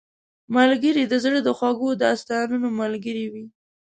ملګری د زړه د خوږو داستانونو ملګری وي